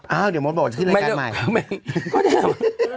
เอ้าเดี๋ยวโมนบอกถึงรายการใหม่